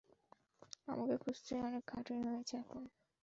আমাকে খুঁজতে অনেক খাটুনী হয়েছে আপনার।